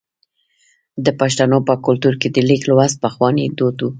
د پښتنو په کلتور کې د لیک لوستل پخوانی دود و.